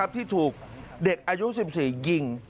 ที่ถูกเด็กอายุ๑๔ยิง